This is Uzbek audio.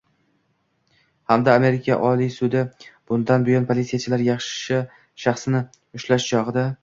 hamda Amerika Oliy sudi bundan buyon politsiyachilar shaxsni ushlash chog‘ida